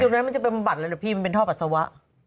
จุดนั้นมันจะเป็นบำบัดหรือเป็นท่อปัสสาวะ